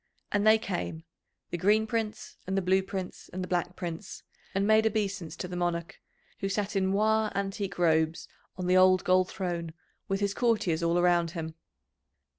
And they came, the Green Prince, and the Blue Prince, and the Black Prince, and made obeisance to the Monarch, who sat in moiré antique robes, on the old gold throne, with his courtiers all around him.